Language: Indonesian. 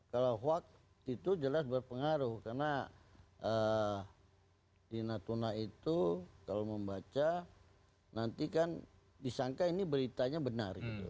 kalau hoax itu jelas berpengaruh karena di natuna itu kalau membaca nanti kan disangka ini beritanya benar